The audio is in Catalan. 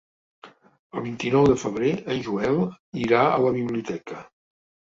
El vint-i-nou de febrer en Joel irà a la biblioteca.